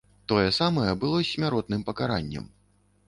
Тое самае было з смяротным пакараннем.